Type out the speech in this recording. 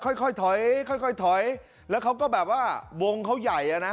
รถเทรลเลอร์ค่อยถอยถอยแล้วเขาก็แบบว่าวงเขาใหญ่อ่ะนะ